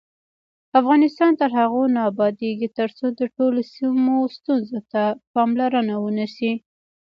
افغانستان تر هغو نه ابادیږي، ترڅو د ټولو سیمو ستونزو ته پاملرنه ونشي.